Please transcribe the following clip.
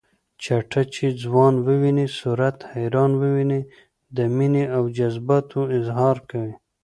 چټه چې ځوان وويني صورت حیران وويني د مینې او جذباتو اظهار کوي